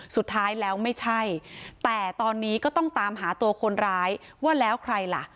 สุดท้ายแล้วไม่ใช่แต่ตอนนี้ก็ต้องตามหาตัวคนร้ายว่าแล้วใครล่ะ